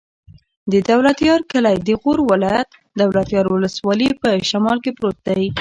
د دولتيار کلی د غور ولایت، دولتيار ولسوالي په شمال کې پروت دی.